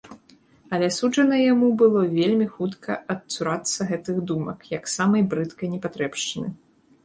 Але суджана яму было вельмі хутка адцурацца гэтых думак, як самай брыдкай непатрэбшчыны.